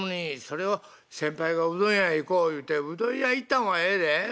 それを先輩がうどん屋行こう言うてうどん屋行ったんはええで。